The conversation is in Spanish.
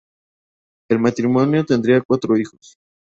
El matrimonio tendría cuatro hijos.